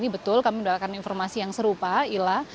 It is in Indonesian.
betul kami mendapatkan informasi yang serupa ila